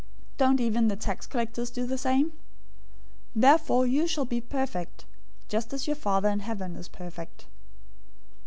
Don't even the tax collectors do the same? 005:048 Therefore you shall be perfect, just as your Father in heaven is perfect.